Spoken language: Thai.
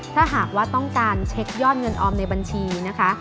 ถ้าหากว่าต้องการเช็คยอดเงินออมในบัญชีนะคะ